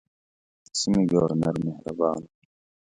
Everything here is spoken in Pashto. د سیمې ګورنر مهربان وو.